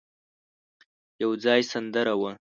يو ځای سندره وه.